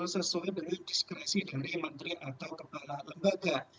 sesuai dengan diskresi dari menteri atau kepala lembaga